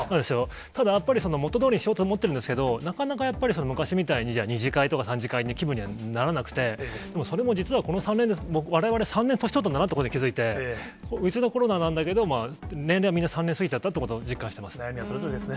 ただ、やっぱり、元どおりにしようと思ってるんですけれども、なかなかやっぱり昔みたいに２次会とか３次会に行く気分にはならなくて、でもそれも実はこの３年で、われわれ３年、年取ったんだなということに気付いて、ウィズコロナなんだけれども、年齢はみんな３年過ぎちゃったということを実みんな、それぞれですね。